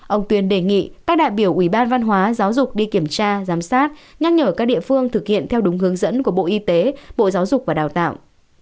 ông tuyên đề nghị các đại biểu ủy ban văn hóa giáo dục đi kiểm tra giám sát nhắc nhở các địa phương thực hiện theo đúng hướng dẫn của bộ y tế bộ giáo dục và đào tạo